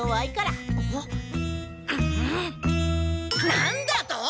なんだと！